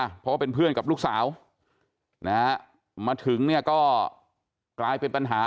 เพราะว่าเป็นเพื่อนกับลูกสาวนะฮะมาถึงเนี่ยก็กลายเป็นปัญหา